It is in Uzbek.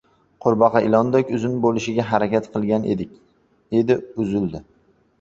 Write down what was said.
• Qurbaqa ilondek uzun bo‘lishga harakat qilgan edi, uzildi.